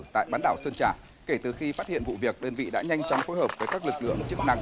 tại bán đảo sơn trà kể từ khi phát hiện vụ việc đơn vị đã nhanh chóng phối hợp với các lực lượng chức năng